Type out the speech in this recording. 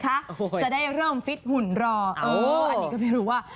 โอ้โหจะได้เริ่มฟิตหุ่นรอเอออันนี้ก็ไม่รู้ว่า